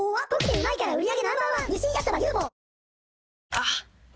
あっ！